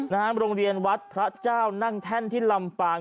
โรงเรียนวัดพระเจ้านั่งแท่นที่ลำปาง